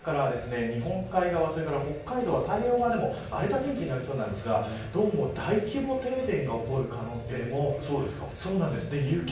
そして、さらに今夜からは日本海側北海道は太平洋側でも荒れた天気になりそうなんですがどうも大規模停電が起こる可能性も。